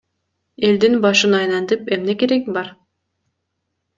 Элдин башын айлантып эмне кереги бар?